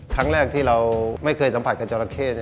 ครั้งแรกที่เราไม่เคยสัมผัสกับจราเข้